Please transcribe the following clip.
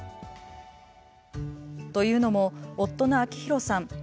というのも夫の章博さん